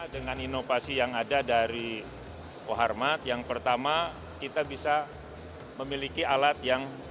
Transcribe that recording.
dengan inovasi yang ada dari koharmat yang pertama kita bisa memiliki alat yang